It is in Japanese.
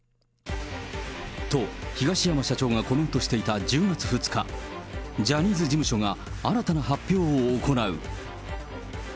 と、東山社長がコメントしていた１０月２日、ジャニーズ事務所が新たな発表を行う。